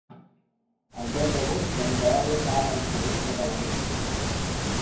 El deu d'agost en Gaël va a Vallfogona de Balaguer.